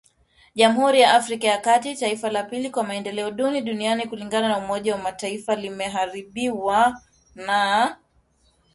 Jamhuri ya Afrika ya kati, taifa la pili kwa maendeleo duni duniani kulingana na umoja wa mataifa limeharibiwa na